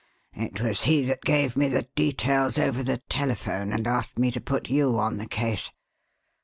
It was he that gave me the details over the telephone, and asked me to put you on the case.